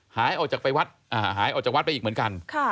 หายออกจากวัดไปอีกเหมือนกัน